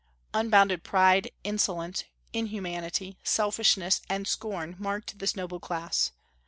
Unbounded pride, insolence, inhumanity, selfishness, and scorn marked this noble class.